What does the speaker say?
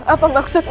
apa maksudmu senang